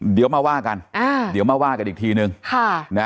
เดี๋ยวมาว่ากันอ่าเดี๋ยวมาว่ากันอีกทีนึงค่ะนะ